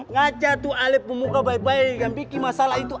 ngaca tuh alep pemuka baik baik yang bikin masalah itu